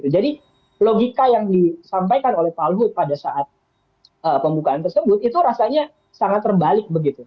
jadi logika yang disampaikan oleh pak luhut pada saat pembukaan tersebut itu rasanya sangat terbalik